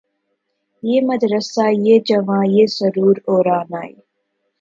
یہ مدرسہ یہ جواں یہ سرور و رعنائی